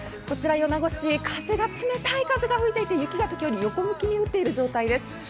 こちら米子市、冷たい風が吹いていて雪が時折、横向きに降っている状態です。